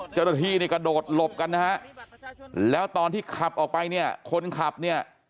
เจ้าหน้าที่นี่กระโดดหลบกันนะฮะแล้วตอนที่ขับออกไปเนี่ยคนขับเนี่ย